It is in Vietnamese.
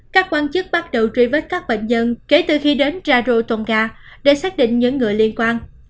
các quan chức bắt đầu truy vết các bệnh nhân kể từ khi đến rurotoga để xét định những người liên quan